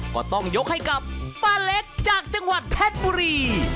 ก็ต้องยกให้กับป้าเล็กจากจังหวัดเพชรบุรี